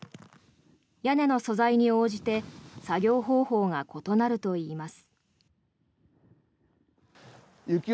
屋根の素材に応じて作業方法が異なるといいます。